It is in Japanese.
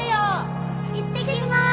行ってきます。